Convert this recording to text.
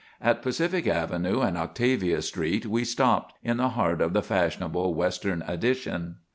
At Pacific Avenue and Octavia Street we stopped, in the heart of the fashionable western addition.